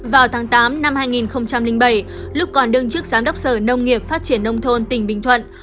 vào tháng tám năm hai nghìn bảy lúc còn đương chức giám đốc sở nông nghiệp phát triển nông thôn tỉnh bình thuận